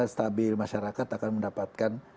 stabil masyarakat akan mendapatkan